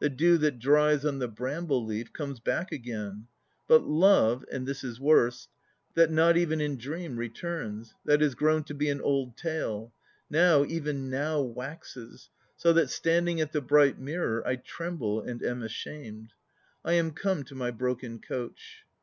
The dew that dries on the bramble leaf Comes back again; But love (and this is worst) That not even in dream returns, That is grown to be an old tale, Now, even now waxes, So that standing at the bright mirror 1 tremble and am ashamed. I am come to my broken coach.